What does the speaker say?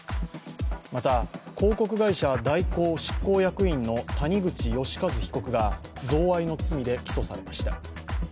また、広告会社、大広執行役員の谷口義一被告が贈賄の罪で起訴されました。